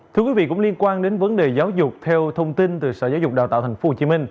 thưa quý vị cũng liên quan đến vấn đề giáo dục theo thông tin từ sở giáo dục đào tạo tp hcm